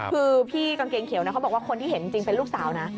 คือพี่กางเกงเขียวนะเขาบอกว่าคนที่เห็นจริงเป็นลูกสาวนะ